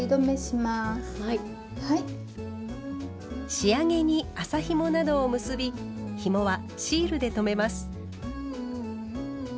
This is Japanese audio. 仕上げに麻ひもなどを結びひもはシールで留めます。